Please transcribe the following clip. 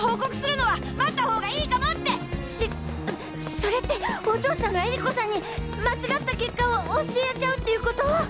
そそれってお父さんが恵理子さんに間違った結果を教えちゃうっていうこと！？